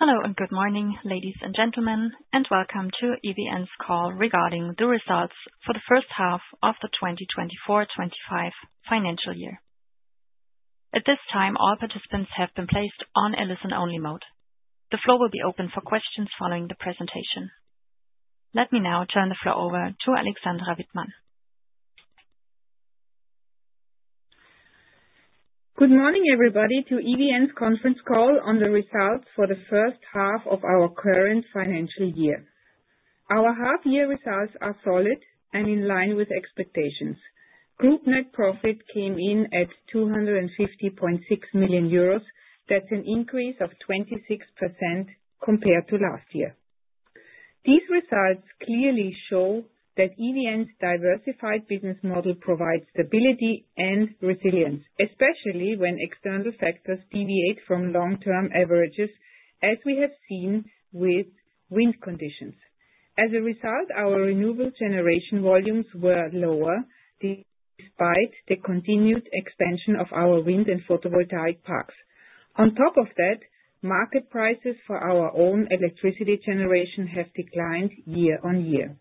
Hello and good morning, ladies and gentlemen, and welcome to EVN's call regarding the results for the first half of the 2024-2025 financial year. At this time, all participants have been placed on a listen-only mode. The floor will be open for questions following the presentation. Let me now turn the floor over to Alexandra Wittmann. Good morning, everybody, to EVN's conference call on the results for the first half of our current financial year. Our half-year results are solid and in line with expectations. Group net profit came in at 250.6 million euros. That's an increase of 26% compared to last year. These results clearly show that EVN's diversified business model provides stability and resilience, especially when external factors deviate from long-term averages, as we have seen with wind conditions. As a result, our renewable generation volumes were lower despite the continued expansion of our wind and photovoltaic parks. On top of that, market prices for our own electricity generation have declined year on year.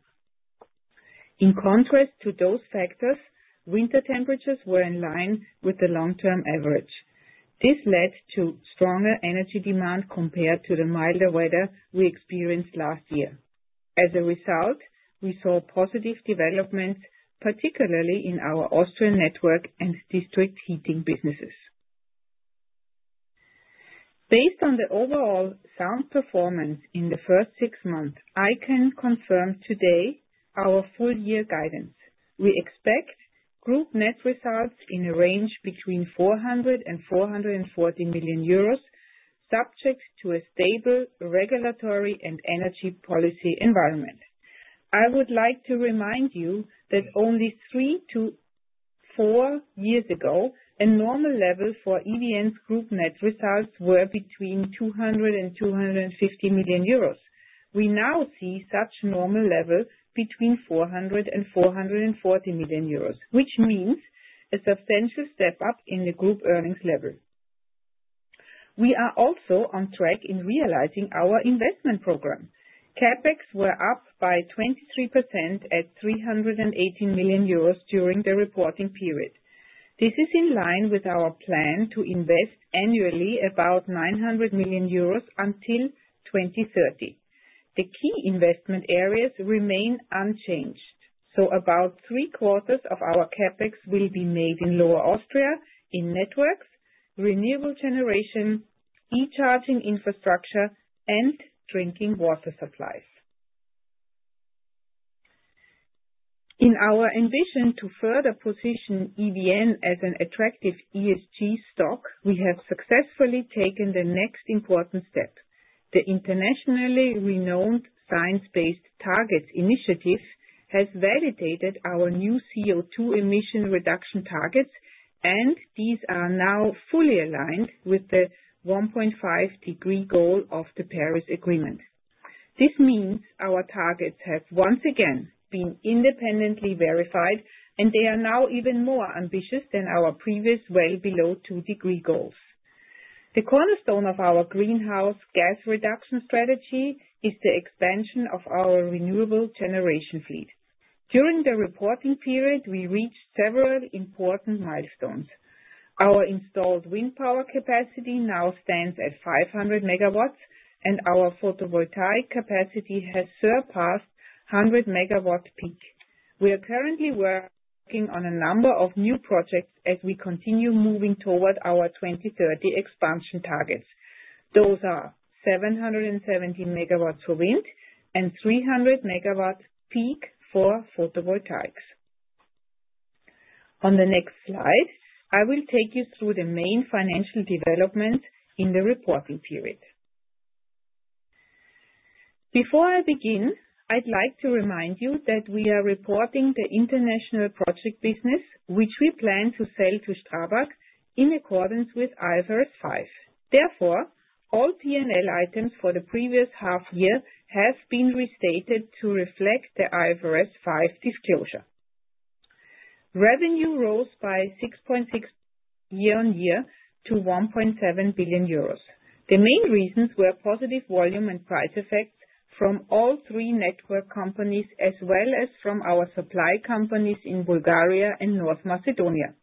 In contrast to those factors, winter temperatures were in line with the long-term average. This led to stronger energy demand compared to the milder weather we experienced last year. As a result, we saw positive developments, particularly in our Austrian network and district heating businesses. Based on the overall sound performance in the first six months, I can confirm today our full-year guidance. We expect group net results in a range between 400 million euros and 440 million euros, subject to a stable regulatory and energy policy environment. I would like to remind you that only three to four years ago, a normal level for EVN's group net results was between 200 million euros and 250 million euros. We now see such a normal level between 400 million euros and 440 million euros, which means a substantial step up in the group earnings level. We are also on track in realizing our investment program. CapEx were up by 23% at 318 million euros during the reporting period. This is in line with our plan to invest annually about 900 million euros until 2030. The key investment areas remain unchanged, so about three-quarters of our CapEx will be made in Lower Austria, in networks, renewable generation, e-charging infrastructure, and drinking water supplies. In our ambition to further position EVN as an attractive ESG stock, we have successfully taken the next important step. The internationally renowned science-based targets initiative has validated our new CO2 emission reduction targets, and these are now fully aligned with the 1.5-degree goal of the Paris Agreement. This means our targets have once again been independently verified, and they are now even more ambitious than our previous well-below-two-degree goals. The cornerstone of our greenhouse gas reduction strategy is the expansion of our renewable generation fleet. During the reporting period, we reached several important milestones. Our installed wind power capacity now stands at 500 MW, and our photovoltaic capacity has surpassed 100 MW peak. We are currently working on a number of new projects as we continue moving toward our 2030 expansion targets. Those are 770 MW for wind and 300 MW peak for photovoltaics. On the next slide, I will take you through the main financial developments in the reporting period. Before I begin, I'd like to remind you that we are reporting the international project business, which we plan to sell to STRABAG in accordance with IFRS 5. Therefore, all P&L items for the previous half-year have been restated to reflect the IFRS 5 disclosure. Revenue rose by 6.6% year-on-year to 1.7 billion euros. The main reasons were positive volume and price effects from all three network companies, as well as from our supply companies in Bulgaria and North Macedonia.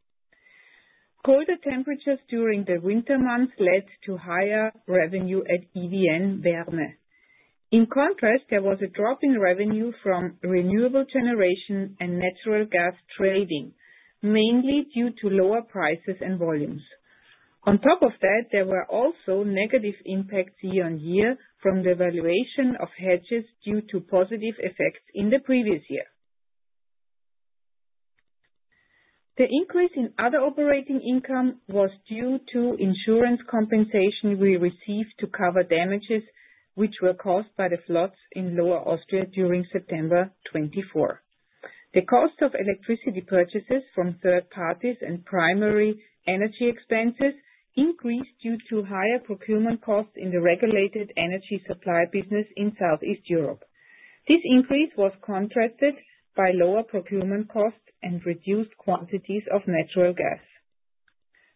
Colder temperatures during the winter months led to higher revenue at EVN Bulgaria. In contrast, there was a drop in revenue from renewable generation and natural gas trading, mainly due to lower prices and volumes. On top of that, there were also negative impacts year on year from the valuation of hedges due to positive effects in the previous year. The increase in other operating income was due to insurance compensation we received to cover damages which were caused by the floods in Lower Austria during September 2024. The cost of electricity purchases from third parties and primary energy expenses increased due to higher procurement costs in the regulated energy supply business in Southeast Europe. This increase was contrasted by lower procurement costs and reduced quantities of natural gas.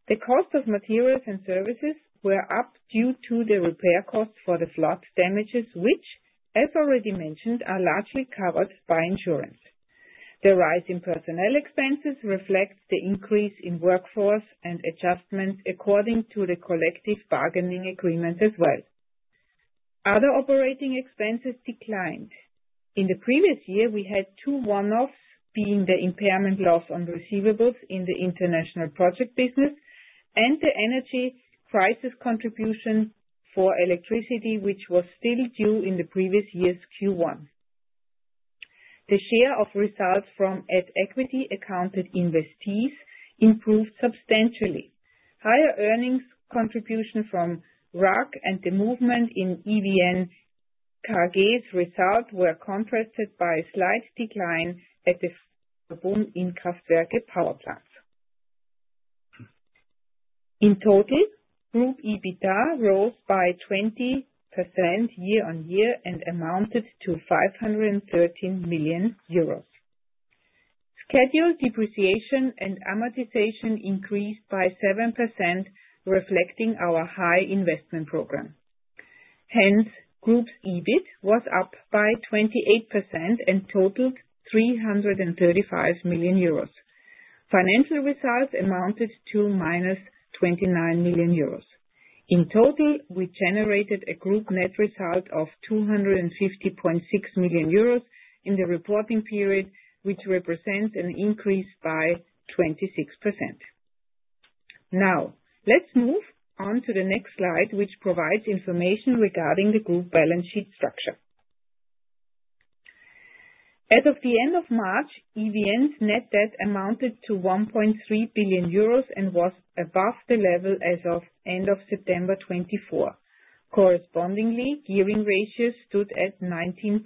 The cost of materials and services were up due to the repair costs for the flood damages, which, as already mentioned, are largely covered by insurance. The rise in personnel expenses reflects the increase in workforce and adjustments according to the collective bargaining agreement as well. Other operating expenses declined. In the previous year, we had two one-offs, being the impairment loss on receivables in the international project business and the energy crisis contribution for electricity, which was still due in the previous year's Q1. The share of results from EVN equity-accounted investees improved substantially. Higher earnings contribution from RAG and the movement in EVN KG's result were contrasted by a slight decline at the Verbund-Kraftwerke power plants. In total, Group EBITDA rose by 20% year-on-year and amounted to 513 million euros. Scheduled depreciation and amortization increased by 7%, reflecting our high investment program. Hence, Group's EBIT was up by 28% and totaled 335 million euros. Financial results amounted to 29 million euros. In total, we generated a group net result of 250.6 million euros in the reporting period, which represents an increase by 26%. Now, let's move on to the next slide, which provides information regarding the group balance sheet structure. As of the end of March, EVN's net debt amounted to 1.3 billion euros and was above the level as of end of September 2024. Correspondingly, gearing ratios stood at 19.7%.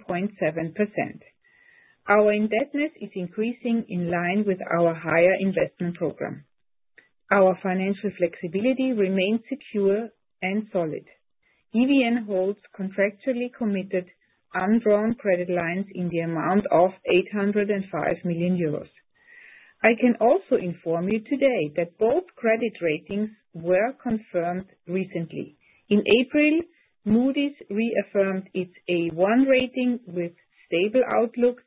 Our indebtedness is increasing in line with our higher investment program. Our financial flexibility remains secure and solid. EVN holds contractually committed undrawn credit lines in the amount of 805 million euros. I can also inform you today that both credit ratings were confirmed recently. In April, Moody's reaffirmed its A1 rating with stable outlook,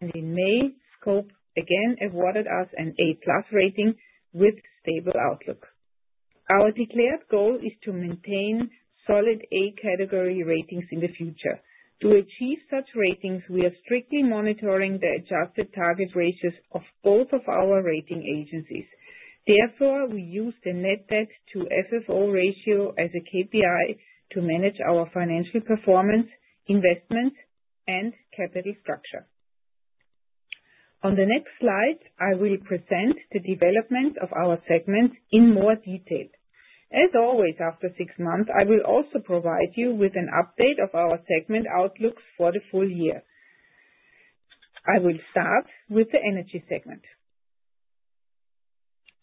and in May, Scope again awarded us an A+ rating with stable outlook. Our declared goal is to maintain solid A-category ratings in the future. To achieve such ratings, we are strictly monitoring the adjusted target ratios of both of our rating agencies. Therefore, we use the net debt to FFO ratio as a KPI to manage our financial performance, investment, and capital structure. On the next slide, I will present the development of our segment in more detail. As always, after six months, I will also provide you with an update of our segment outlooks for the full year. I will start with the energy segment.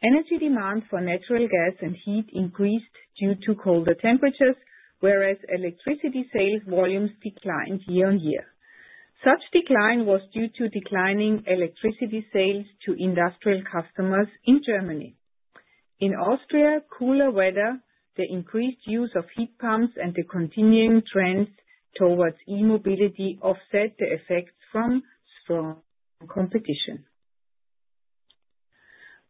Energy demand for natural gas and heat increased due to colder temperatures, whereas electricity sales volumes declined year on year. Such decline was due to declining electricity sales to industrial customers in Germany. In Austria, cooler weather, the increased use of heat pumps, and the continuing trends towards e-mobility offset the effects from strong competition.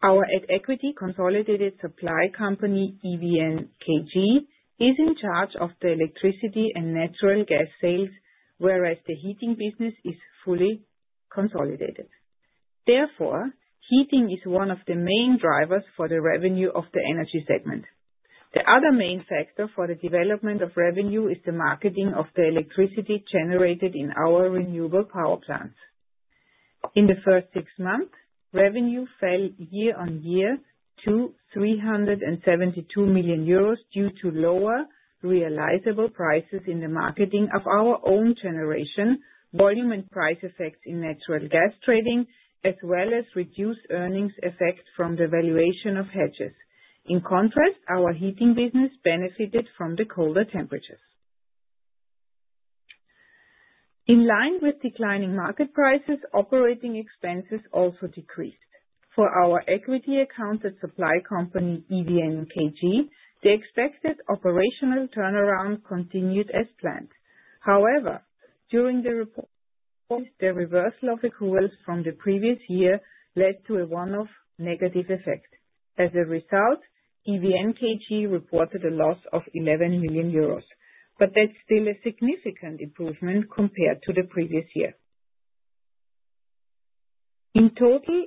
Our equity-consolidated supply company, EVN KG, is in charge of the electricity and natural gas sales, whereas the heating business is fully consolidated. Therefore, heating is one of the main drivers for the revenue of the energy segment. The other main factor for the development of revenue is the marketing of the electricity generated in our renewable power plants. In the first six months, revenue fell year on year to 372 million euros due to lower realizable prices in the marketing of our own generation, volume and price effects in natural gas trading, as well as reduced earnings effects from the valuation of hedges. In contrast, our heating business benefited from the colder temperatures. In line with declining market prices, operating expenses also decreased. For our equity-accounted supply company, EVN KG, the expected operational turnaround continued as planned. However, during the report, the reversal of equivalence from the previous year led to a one-off negative effect. As a result, EVN KG reported a loss of 11 million euros, but that's still a significant improvement compared to the previous year. In total,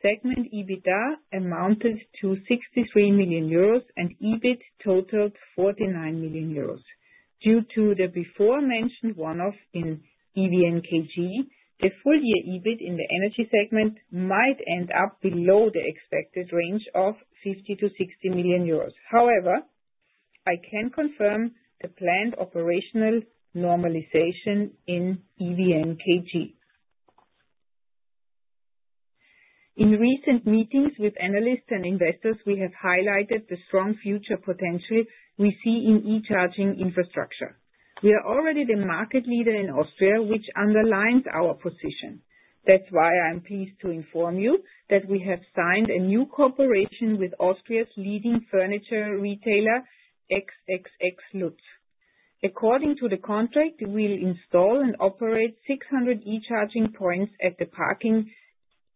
segment EBITDA amounted to 63 million euros and EBIT totaled 49 million euros. Due to the before-mentioned one-off in EVN KG, the full-year EBIT in the energy segment might end up below the expected range of 50 million-60 million euros. However, I can confirm the planned operational normalization in EVN KG. In recent meetings with analysts and investors, we have highlighted the strong future potential we see in e-charging infrastructure. We are already the market leader in Austria, which underlines our position. That's why I'm pleased to inform you that we have signed a new cooperation with Austria's leading furniture retailer, XXXLutz. According to the contract, we will install and operate 600 e-charging points at the parking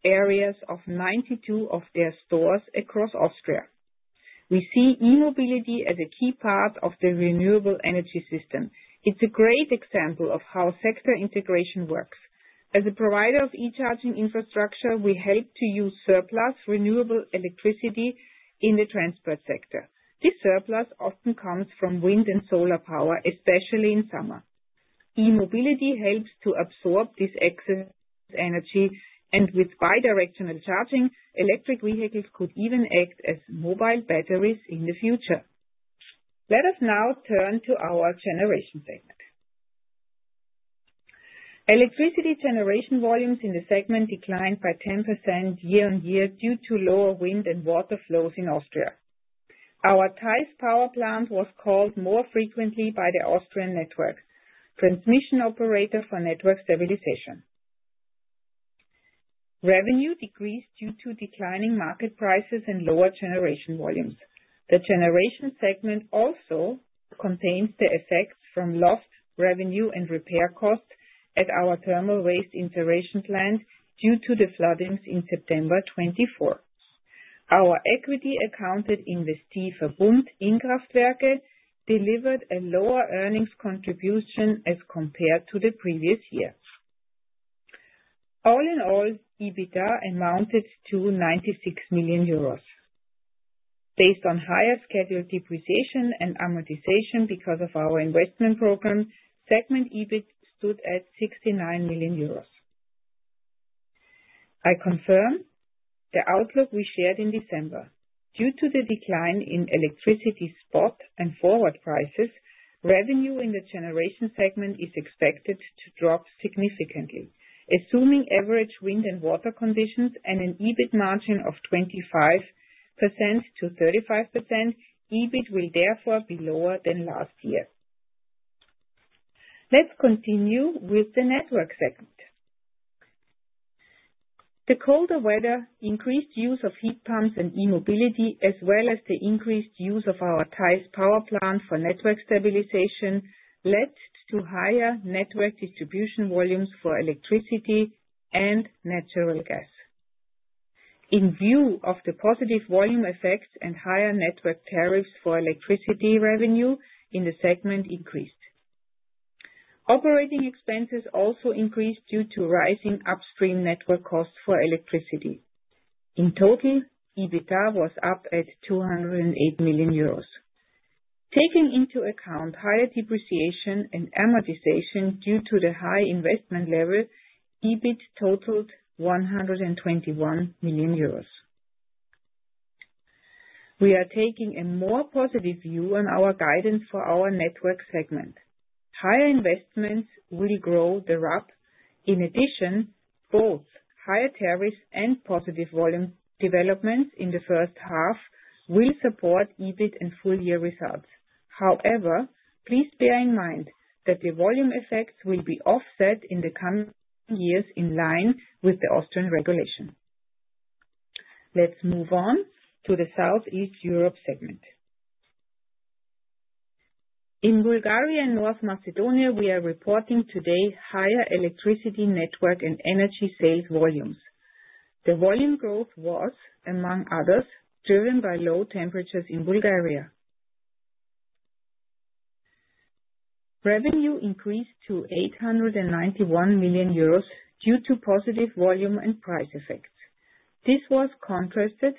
areas of 92 of their stores across Austria. We see e-mobility as a key part of the renewable energy system. It's a great example of how sector integration works. As a provider of e-charging infrastructure, we help to use surplus renewable electricity in the transport sector. This surplus often comes from wind and solar power, especially in summer. E-mobility helps to absorb this excess energy, and with bidirectional charging, electric vehicles could even act as mobile batteries in the future. Let us now turn to our generation segment. Electricity generation volumes in the segment declined by 10% year-on-year due to lower wind and water flows in Austria. Our Theiss power plant was called more frequently by the Austrian network transmission operator for network stabilization. Revenue decreased due to declining market prices and lower generation volumes. The generation segment also contains the effects from lost revenue and repair costs at our thermal waste incineration plant due to the floodings in September 2024. Our equity-accounted investee Verbund in Kraftwerke delivered a lower earnings contribution as compared to the previous year. All in all, EBITDA amounted to 96 million euros. Based on higher scheduled depreciation and amortization because of our investment program, segment EBIT stood at 69 million euros. I confirm the outlook we shared in December. Due to the decline in electricity spot and forward prices, revenue in the generation segment is expected to drop significantly. Assuming average wind and water conditions and an EBIT margin of 25%-35%, EBIT will therefore be lower than last year. Let's continue with the network segment. The colder weather, increased use of heat pumps and e-mobility, as well as the increased use of our Theiss power plant for network stabilization, led to higher network distribution volumes for electricity and natural gas. In view of the positive volume effects and higher network tariffs for electricity, revenue in the segment increased. Operating expenses also increased due to rising upstream network costs for electricity. In total, EBITDA was up at 208 million euros. Taking into account higher depreciation and amortization due to the high investment level, EBIT totaled 121 million euros. We are taking a more positive view on our guidance for our network segment. Higher investments will grow the RAB. In addition, both higher tariffs and positive volume developments in the first half will support EBIT and full-year results. However, please bear in mind that the volume effects will be offset in the coming years in line with the Austrian regulation. Let's move on to the Southeast Europe segment. In Bulgaria and North Macedonia, we are reporting today higher electricity network and energy sales volumes. The volume growth was, among others, driven by low temperatures in Bulgaria. Revenue increased to 891 million euros due to positive volume and price effects. This was contrasted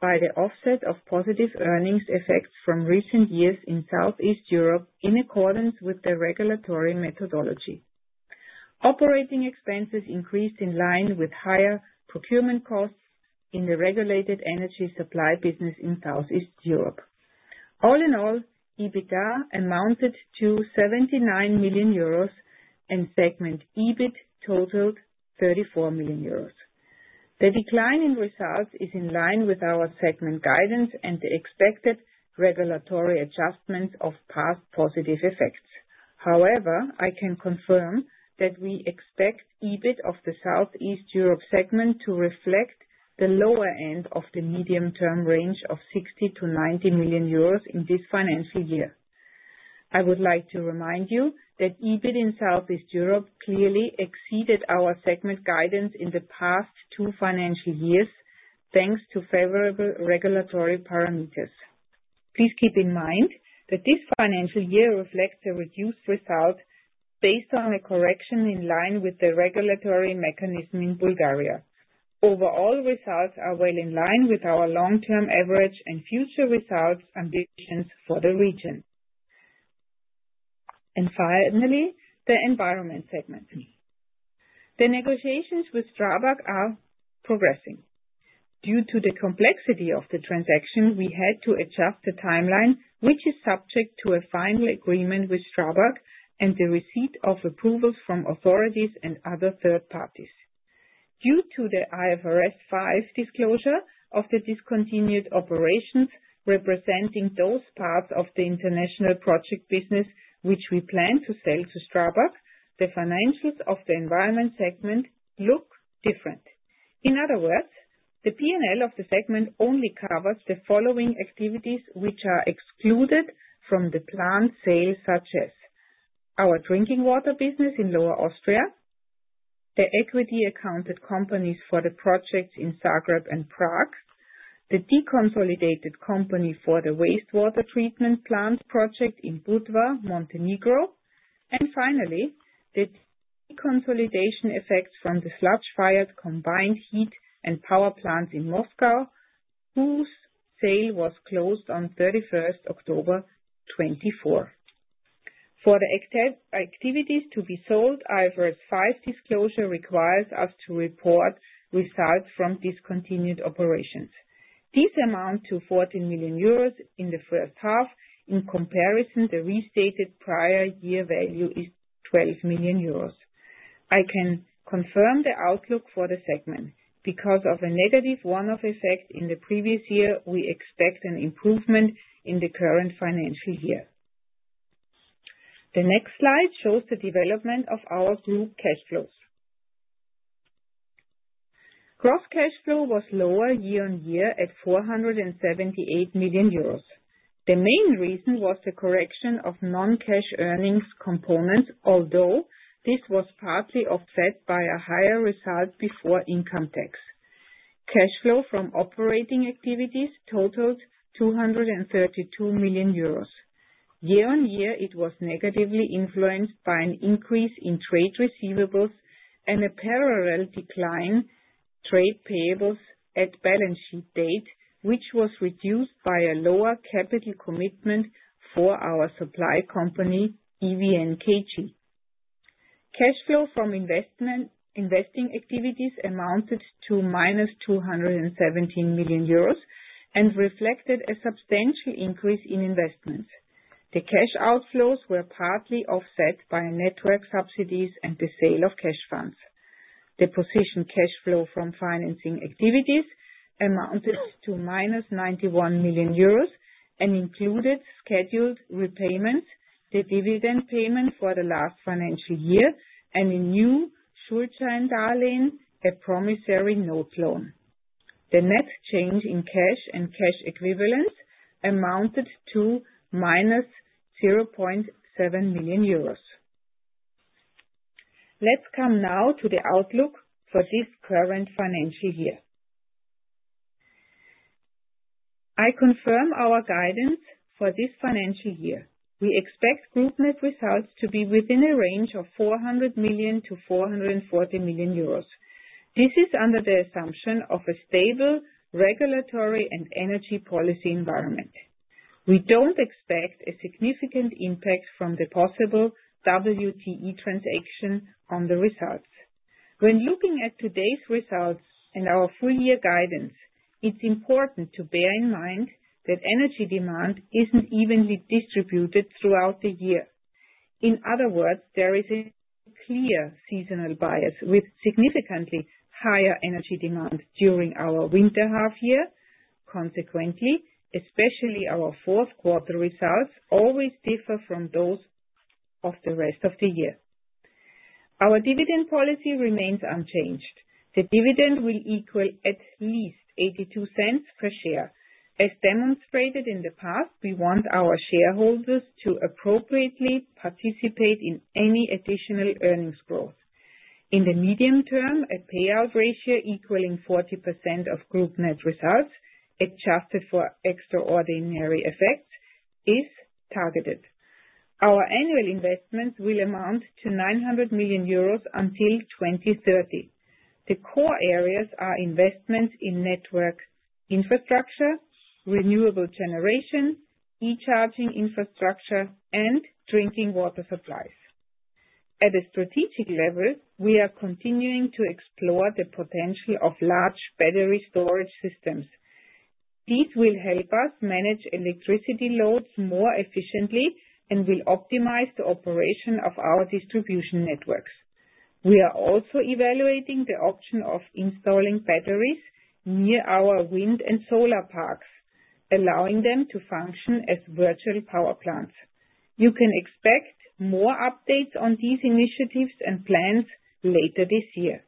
by the offset of positive earnings effects from recent years in Southeast Europe in accordance with the regulatory methodology. Operating expenses increased in line with higher procurement costs in the regulated energy supply business in Southeast Europe. All in all, EBITDA amounted to 79 million euros and segment EBIT totaled 34 million euros. The decline in results is in line with our segment guidance and the expected regulatory adjustments of past positive effects. However, I can confirm that we expect EBIT of the Southeast Europe segment to reflect the lower end of the medium-term range of 60 million-90 million euros in this financial year. I would like to remind you that EBIT in Southeast Europe clearly exceeded our segment guidance in the past two financial years, thanks to favorable regulatory parameters. Please keep in mind that this financial year reflects a reduced result based on a correction in line with the regulatory mechanism in Bulgaria. Overall, results are well in line with our long-term average and future results ambitions for the region. Finally, the environment segment. The negotiations with STRABAG are progressing. Due to the complexity of the transaction, we had to adjust the timeline, which is subject to a final agreement with STRABAG and the receipt of approvals from authorities and other third parties. Due to the IFRS 5 disclosure of the discontinued operations representing those parts of the international project business which we plan to sell to STRABAG, the financials of the Environment segment look different. In other words, the P&L of the segment only covers the following activities which are excluded from the planned sales, such as our drinking water business in Lower Austria, the equity-accounted companies for the projects in Zagreb and Prague, the deconsolidated company for the wastewater treatment plant project in Budva, Montenegro, and finally, the deconsolidation effects from the sludge-fired combined heat and power plants in Moscow, whose sale was closed on October 31st 2024. For the activities to be sold, IFRS 5 disclosure requires us to report results from discontinued operations. These amount to 14 million euros in the first half. In comparison, the restated prior year value is 12 million euros. I can confirm the outlook for the segment. Because of a negative one-off effect in the previous year, we expect an improvement in the current financial year. The next slide shows the development of our group cash flows. Gross cash flow was lower year on year at 478 million euros. The main reason was the correction of non-cash earnings components, although this was partly offset by a higher result before income tax. Cash flow from operating activities totaled 232 million euros. Year on year, it was negatively influenced by an increase in trade receivables and a parallel decline in trade payables at balance sheet date, which was reduced by a lower capital commitment for our supply company, EVN KG. Cash flow from investing activities amounted to 217 million euros and reflected a substantial increase in investments. The cash outflows were partly offset by network subsidies and the sale of cash funds. The position cash flow from financing activities amounted to 91 million euros and included scheduled repayments, the dividend payment for the last financial year, and a new Schuldschein Darlehen, a promissory note loan. The net change in cash and cash equivalents amounted to EUR 0.7 million. Let's come now to the outlook for this current financial year. I confirm our guidance for this financial year. We expect group net results to be within a range of 400 million-440 million euros. This is under the assumption of a stable regulatory and energy policy environment. We don't expect a significant impact from the possible WTE transaction on the results. When looking at today's results and our full-year guidance, it's important to bear in mind that energy demand isn't evenly distributed throughout the year. In other words, there is a clear seasonal bias with significantly higher energy demand during our winter half-year. Consequently, especially our fourth quarter results always differ from those of the rest of the year. Our dividend policy remains unchanged. The dividend will equal at least 0.82 per share. As demonstrated in the past, we want our shareholders to appropriately participate in any additional earnings growth. In the medium term, a payout ratio equaling 40% of group net results, adjusted for extraordinary effects, is targeted. Our annual investments will amount to 900 million euros until 2030. The core areas are investments in network infrastructure, renewable generation, e-charging infrastructure, and drinking water supplies. At the strategic level, we are continuing to explore the potential of large battery storage systems. These will help us manage electricity loads more efficiently and will optimize the operation of our distribution networks. We are also evaluating the option of installing batteries near our wind and solar parks, allowing them to function as virtual power plants. You can expect more updates on these initiatives and plans later this year.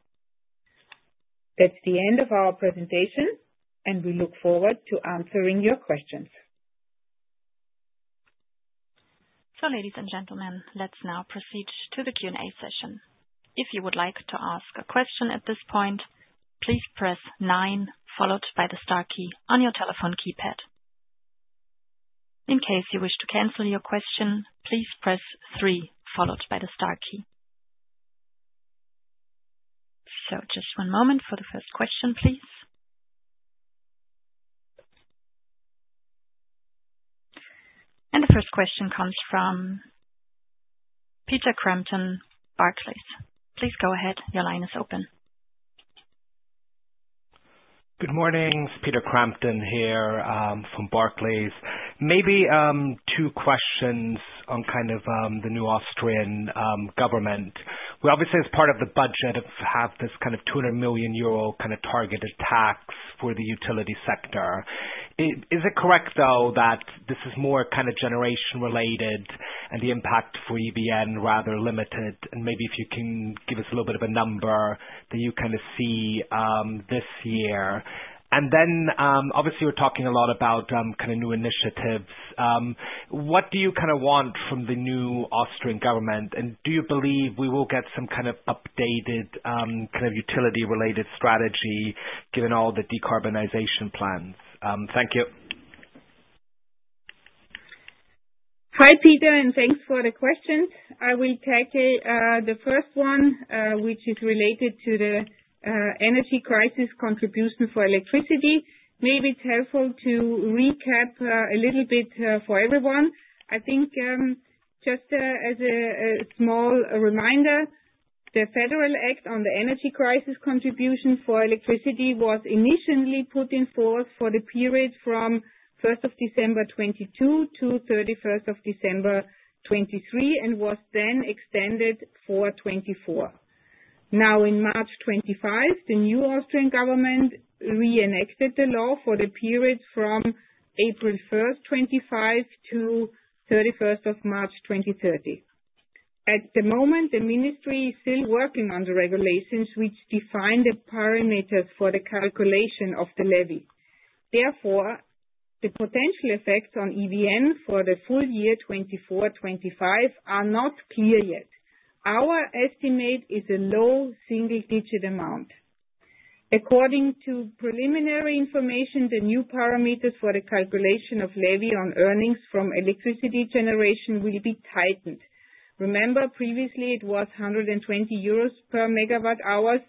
That's the end of our presentation, and we look forward to answering your questions. Ladies and gentlemen, let's now proceed to the Q&A session. If you would like to ask a question at this point, please press 9, followed by the star key, on your telephone keypad. In case you wish to cancel your question, please press 3, followed by the star key. Just one moment for the first question, please. The first question comes from Peter Crampton, Barclays. Please go ahead. Your line is open. Good morning. Peter Crampton here from Barclays. Maybe two questions on kind of the new Austrian government. We obviously, as part of the budget, have this kind of 200 million euro kind of targeted tax for the utility sector. Is it correct, though, that this is more kind of generation-related and the impact for EVN rather limited? Maybe if you can give us a little bit of a number that you kind of see this year. Obviously, we're talking a lot about kind of new initiatives. What do you kind of want from the new Austrian government? Do you believe we will get some kind of updated kind of utility-related strategy given all the decarbonization plans? Thank you. Hi, Peter, and thanks for the questions. I will take the first one, which is related to the energy crisis contribution for electricity. Maybe it's helpful to recap a little bit for everyone. I think just as a small reminder, the Federal Act on the Energy Crisis Contribution for Electricity was initially put in force for the period from December 1st, 2022 to December 31st, 2023 and was then extended for 2024. Now, in March 2025, the new Austrian government re-enacted the law for the period from April 1st, 2025 to March 31st, 2030. At the moment, the ministry is still working on the regulations which define the parameters for the calculation of the levy. Therefore, the potential effects on EVN for the full year 2024-2025 are not clear yet. Our estimate is a low single-digit amount. According to preliminary information, the new parameters for the calculation of levy on earnings from electricity generation will be tightened. Remember, previously, it was 120 euros per MWh.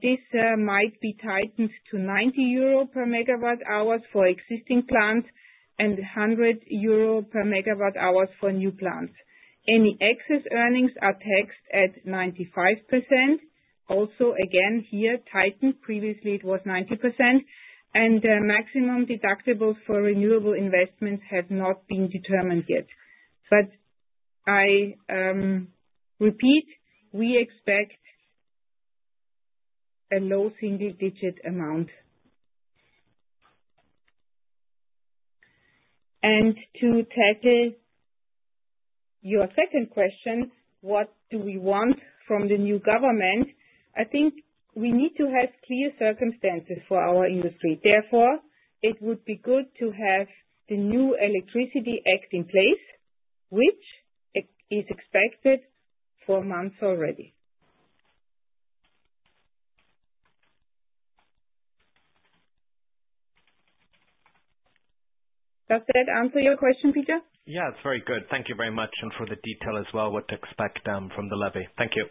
This might be tightened to 90 euro per MWh for existing plants and 100 euro per MWh for new plants. Any excess earnings are taxed at 95%. Also, again, here, tightened. Previously, it was 90%. Maximum deductibles for renewable investments have not been determined yet. I repeat, we expect a low single-digit amount. To tackle your second question, what do we want from the new government? I think we need to have clear circumstances for our industry. Therefore, it would be good to have the new Electricity Act in place, which is expected for months already. Does that answer your question, Peter? Yeah, it's very good. Thank you very much. For the detail as well, what to expect from the levy. Thank you.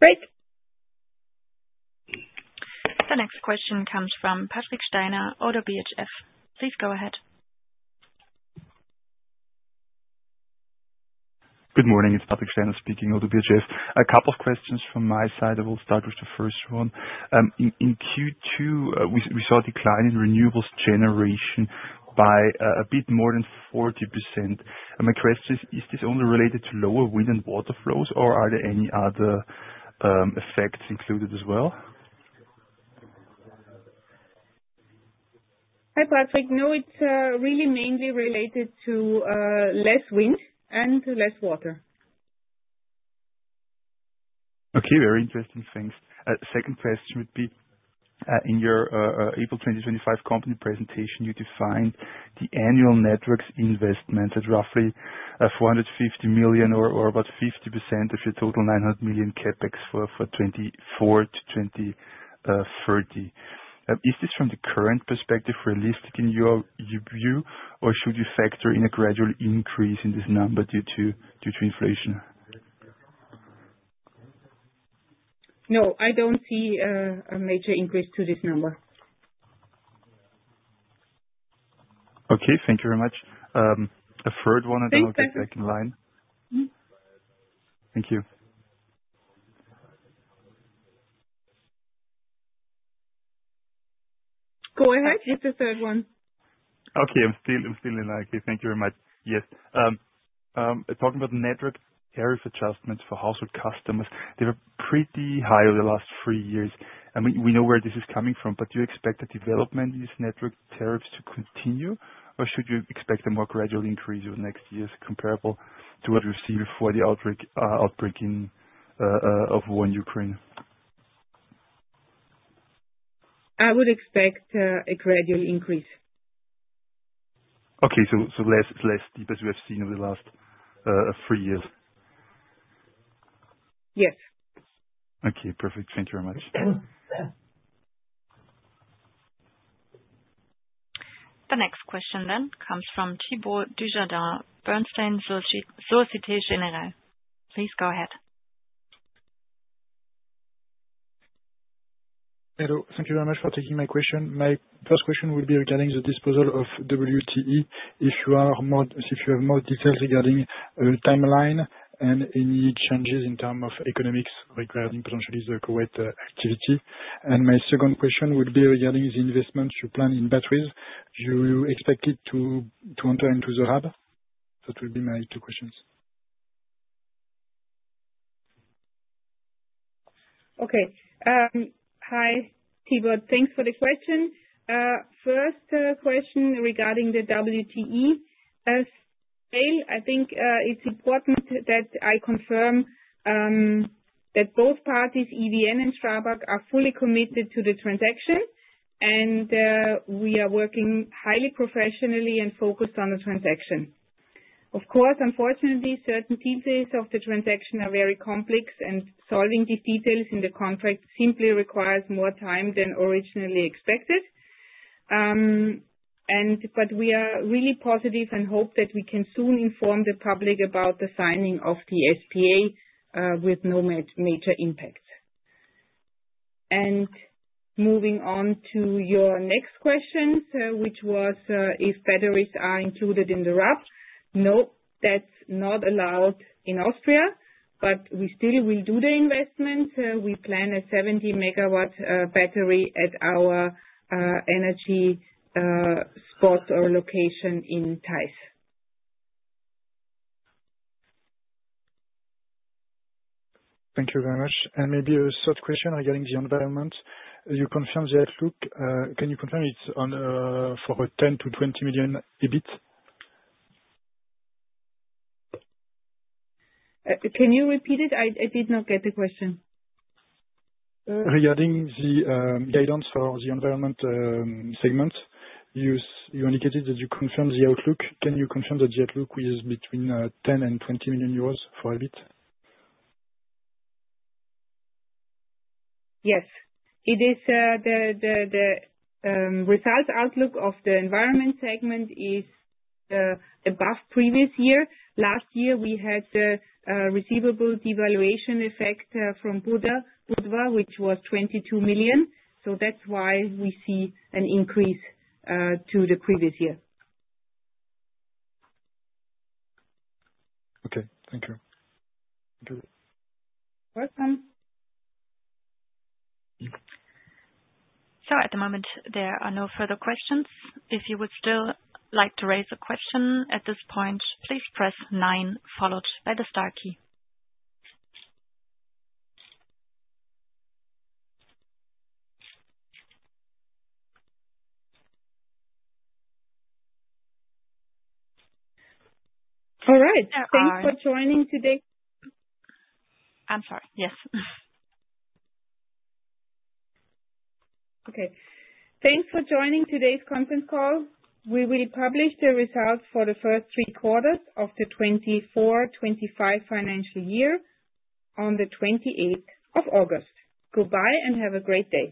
Great. The next question comes from Patrick Steiner, ODDO BHF. Please go ahead. Good morning. It's Patrick Steiner speaking, ODDO BHF. A couple of questions from my side. I will start with the first one. In Q2, we saw a decline in renewables generation by a bit more than 40%. My question is, is this only related to lower wind and water flows, or are there any other effects included as well? Hi, Patrick. No, it's really mainly related to less wind and less water. Okay, very interesting things. Second question would be, in your April 2025 company presentation, you defined the annual networks investment at roughly 450 million or about 50% of your total 900 million CapEx for 2024 to 2030. Is this from the current perspective realistic in your view, or should you factor in a gradual increase in this number due to inflation? No, I don't see a major increase to this number. Okay, thank you very much. A third one on the second line. Thank you. Go ahead. It's the third one. Okay, I'm still in. Okay, thank you very much. Yes. Talking about network tariff adjustments for household customers, they were pretty high over the last three years. We know where this is coming from, but do you expect the development in these network tariffs to continue, or should you expect a more gradual increase over the next years comparable to what we've seen before the outbreak of war in Ukraine? I would expect a gradual increase. Okay, so less, as we have seen over the last three years? Yes. Okay, perfect. Thank you very much. The next question then comes from Thibault Dujardin, Bernstein. Please go ahead. Hello. Thank you very much for taking my question. My first question will be regarding the disposal of WTE, if you have more details regarding the timeline and any changes in terms of economics regarding potentially the Kuwait activity. My second question would be regarding the investments you plan in batteries. Do you expect it to enter into the hub? That would be my two questions. Okay. Hi, Thibault. Thanks for the question. First question regarding the WTE. I think it's important that I confirm that both parties, EVN and Strabag, are fully committed to the transaction, and we are working highly professionally and focused on the transaction. Of course, unfortunately, certain details of the transaction are very complex, and solving these details in the contract simply requires more time than originally expected. We are really positive and hope that we can soon inform the public about the signing of the SPA with no major impact. Moving on to your next question, which was if batteries are included in the RAB. No, that's not allowed in Austria, but we still will do the investment. We plan a 70-megawatt battery at our energy spot or location in Theiss. Thank you very much. Maybe a third question regarding the environment. You confirmed the outlook. Can you confirm it is for 10 million-20 million EBIT? Can you repeat it? I did not get the question. Regarding the guidance for the environment segment, you indicated that you confirmed the outlook. Can you confirm that the outlook is between 10 million and 20 million euros for EBIT? Yes. It is the result outlook of the environment segment is above previous year. Last year, we had the receivable devaluation effect from Budva, which was 22 million. That is why we see an increase to the previous year. Okay, thank you. You are welcome. At the moment, there are no further questions. If you would still like to raise a question at this point, please press 9, followed by the star key. All right. Thanks for joining today. I'm sorry. Yes. Okay. Thanks for joining today's conference call. We will publish the results for the first three quarters of the 2024-2025 financial year on the 28th of August. Goodbye and have a great day.